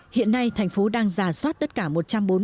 hiện nay thành phố đang giả soát các dự án khó khăn